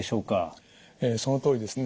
そのとおりですね。